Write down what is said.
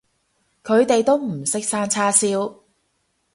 佢哋都唔識生叉燒